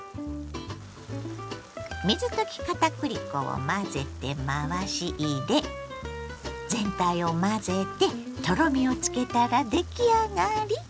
水溶き片栗粉を混ぜて回し入れ全体を混ぜてとろみをつけたら出来上がり。